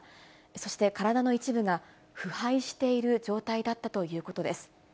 そして体の一部が腐敗している状態だったということです。